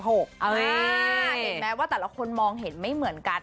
เห็นไหมว่าแต่ละคนมองเห็นไม่เหมือนกัน